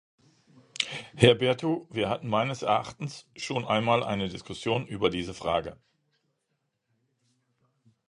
Herr Berthu, wir hatten meines Erachtens schon einmal eine Diskussion über diese Frage.